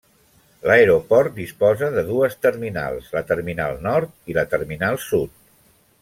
L'aeroport disposa de dues terminals, la Terminal Nord i la Terminal Sud.